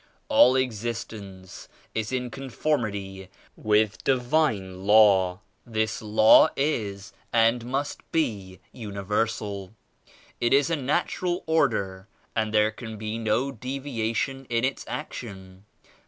"All existence is in conformity with Divine Law. This Law is and must be universal. It is a natural order and there can be no deviation in its action.